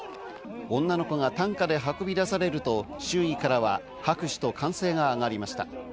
女の子が担架で運び出されると周囲からは拍手と歓声が上がりました。